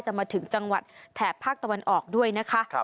มาถึงจังหวัดแถบภาคตะวันออกด้วยนะคะ